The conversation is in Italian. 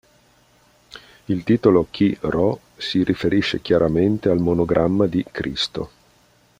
Il titolo Chi Rho si riferisce chiaramente al monogramma di "Cristo".